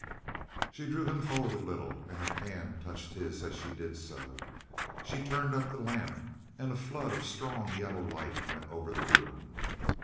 She drew him forward a little, and her hand touched his as she did so. She turned up the lamp, and a flood of strong yellow light went over the room.